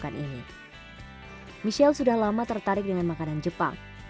yang mimpi adalah kec alignment banget deh